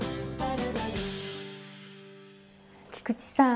菊池さん